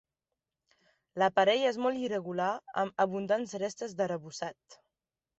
L'aparell és molt irregular amb abundants restes d'arrebossat.